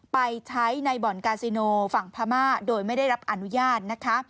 ไปใช้ในบ่อนกาซิโนฝั่งพม่าโดยไม่ได้รับอนุญาตนะคะ